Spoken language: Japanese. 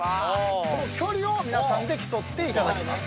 その距離を皆さんで競っていただきます。